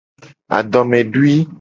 Adomedui.